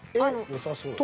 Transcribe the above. よさそう。